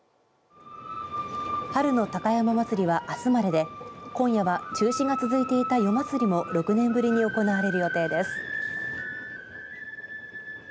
春の高山祭はあすまでで今夜は中止が続いていた夜祭も６年ぶりに行われる予定です。